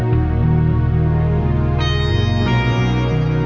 lepas maaf pak